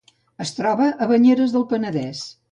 Es troba a Banyeres del Penedès.